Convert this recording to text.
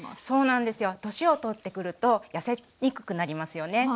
そうなんですよ年をとってくるとやせにくくなりますよね。